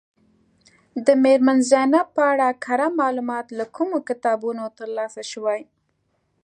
د میرمن زینب په اړه کره معلومات له کومو کتابونو ترلاسه شوي.